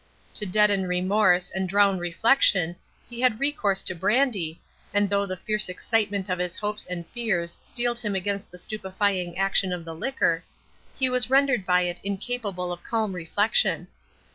To deaden remorse and drown reflection, he had recourse to brandy, and though the fierce excitement of his hopes and fears steeled him against the stupefying action of the liquor, he was rendered by it incapable of calm reflection.